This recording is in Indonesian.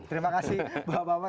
terima kasih bapak bapak